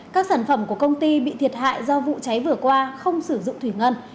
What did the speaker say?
các sản phẩm của công ty bị thiệt hại do vụ cháy vừa qua không sử dụng thủy ngân